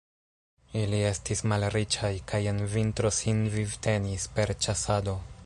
Ili estis malriĉaj kaj en vintro sin vivtenis per ĉasado.